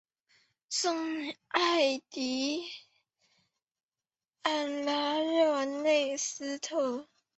圣艾蒂安拉热内斯特。